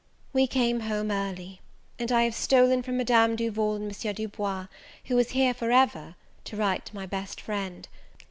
We came home early; and I have stolen from Madame Duval and M. Du Bois, who is here for ever, to write to my best friend.